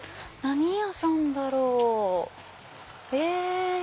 何屋さんだろう？え！